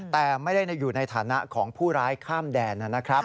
แต่ไม่ได้อยู่ในฐานะของผู้ร้ายข้ามแดนนะครับ